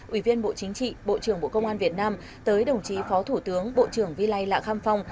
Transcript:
ủy viên bộ chính trị bộ trưởng bộ công an việt nam tới đồng chí phó thủ tướng bộ trưởng vy lai lạc khăm phong